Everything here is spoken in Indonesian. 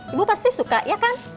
ibu pasti suka ya kan